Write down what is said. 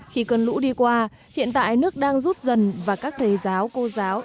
khi cơn lũ đi qua hiện tại nước đang rút dần và các thầy giáo cô giáo